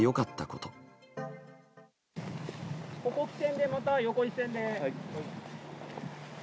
ここを起点でまた横一線で。